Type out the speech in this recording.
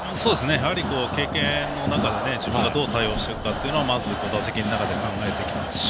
やはり、経験の中で自分がどう対応していくかっていうのは打席の中で考えていきますし